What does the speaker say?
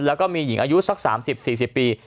แล้วก็มีหญิงอายุสัก๓๐๔๐ปี